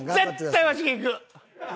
絶対わしが行く！